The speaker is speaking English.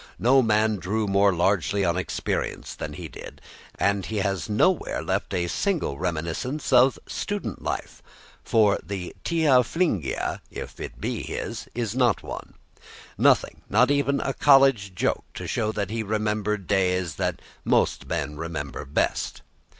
No man drew more largely upon experience than he did, and he has nowhere left a single reminiscence of student life for the "Tia Fingida," if it be his, is not one nothing, not even "a college joke," to show that he remembered days that most men remember best.